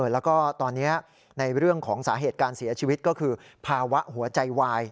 แล้วก็ตอนนี้ในเรื่องของสาเหตุการเสียชีวิตก็คือภาวะหัวใจวาย